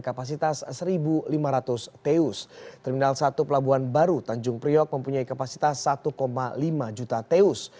kapasitas seribu lima ratus dua terminal satu pelabuhan baru tanjung priok mempunyai kapasitas satukoma lima juta taus